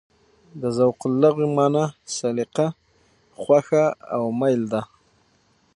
د ذوق لغوي مانا: سلیقه، خوښه او مېل ده.